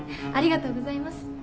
ありがとうございます。